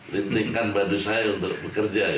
lintingkan badu saya untuk bekerja